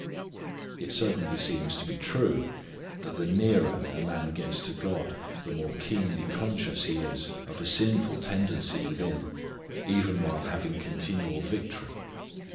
It certainly seems to be true that the nearer a man gets to God the more keenly conscious he is of a sinful tendency within even while having continual victory.